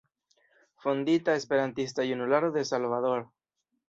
Fondita Esperantista Junularo de Salvador.